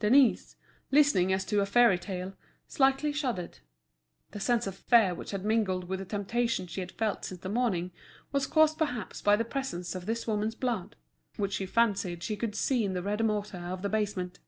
Denise, listening as to a fairy tale, slightly shuddered; the sense of fear which had mingled with the temptation she had felt since the morning, was caused perhaps by the presence of this woman's blood, which she fancied she could see in the red mortar of the basement.